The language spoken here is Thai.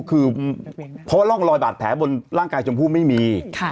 คือเพราะว่าร่องรอยบาดแผลบนร่างกายชมพู่ไม่มี